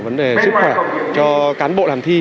vấn đề sức khỏe cho cán bộ làm thi